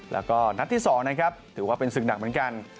แล้วก็นัดที่๒นะครับถือว่าเป็นศึกหนักเหมือนกัน